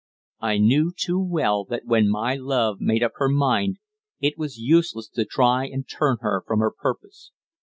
I knew too well that when my love made up her mind it was useless to try and turn her from her purpose.